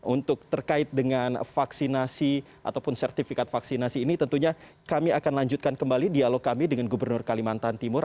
untuk terkait dengan vaksinasi ataupun sertifikat vaksinasi ini tentunya kami akan lanjutkan kembali dialog kami dengan gubernur kalimantan timur